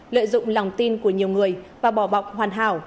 lợi dụng lòng tin của nhiều người và bỏ bọc hoàn hảo